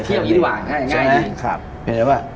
เปรียบเที่ยวอย่างนี้ดีกว่าใช่มั้ย